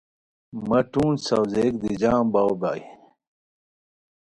مہ ٹونج ساؤزیک دی جام باؤ ہائے